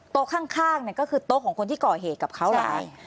โต๊ะข้างเนี่ยก็คือโต๊ะของคนที่ก่อเหตุกับเขาหลาย